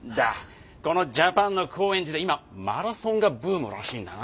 このジャパンの高円寺で今マラソンがブームらしいんだな。